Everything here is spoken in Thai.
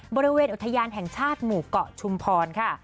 บริเวณอุทยานแห่งชาติหมู่เกาะชุมพรค่ะ